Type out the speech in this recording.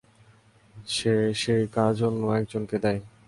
সে সেই কাজ অন্য একজনকে দেয়।